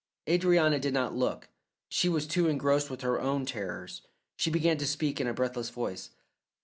Adrianna did not look she was too engrossed with her own terrors. She began to speak in a breathless voice.